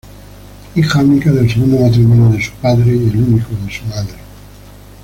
Hija única del segundo matrimonio de su padre y el único de su madre.